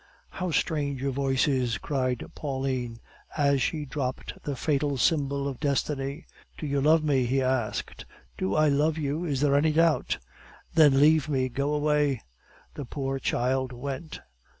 "How changed your voice is!" cried Pauline, as she dropped the fatal symbol of destiny. "Do you love me?" he asked. "Do I love you? Is there any doubt?" "Then, leave me, go away!" The poor child went.